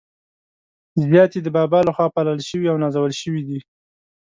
زیات يې د بابا له خوا پالل شوي او نازول شوي دي.